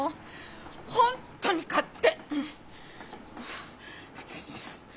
本当に勝手！